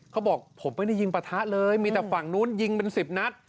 เขาบอกผมไม่ได้ยิงปะทะเลมีแต่ฝั่งนู้นยิงเป็น๑๐นัด